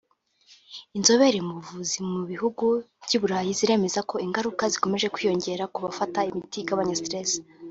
Inzobere mu buvuzi mu bihugu by’iburayi ziremeza ko ingaruka zikomeje kwiyongera ku bafata imiti igabanya ‘stress’